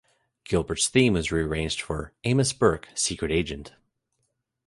Gilbert's theme was rearranged for "Amos Burke, Secret Agent".